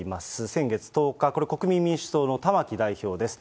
先月１０日、これ、国民民主党の玉木代表です。